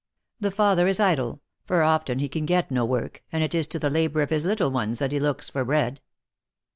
The father is idle, for often he can get no woik, and it is to the labour of his little ones that he looks for bread.